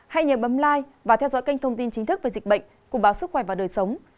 hãy nhớ bấm lai và theo dõi kênh thông tin chính thức về dịch bệnh cùng báo sức khỏe và đời sống